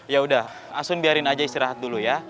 yaudah asun biarin aja istirahat dulu ya